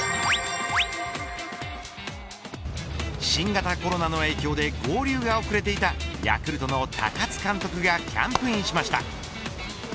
新型コロナの影響で合流が遅れていたヤクルトの高津監督がキャンプインしました。